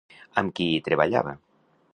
Amb qui hi treballava?